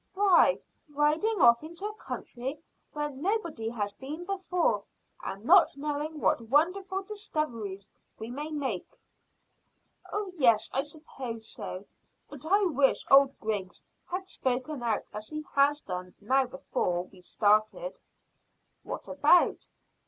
"Why, riding off into a country where nobody has been before, and not knowing what wonderful discoveries we may make." "Oh yes, I suppose so; but I wish old Griggs had spoken out as he has now before we started." "What about?"